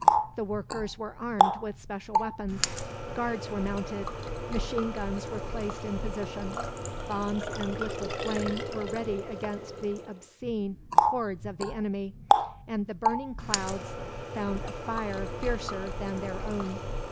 The workers were armed with special weapons, guards were mounted, machine guns were placed in position, bombs and liquid flame were ready against the obscene hordes of the enemy, and the "burning clouds" found a fire fiercer than their own.